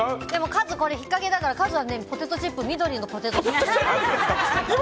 カズ、これ引っかけだからカズはポテトチップス緑のポテトチップス。